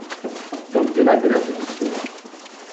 Campina Grande do Sul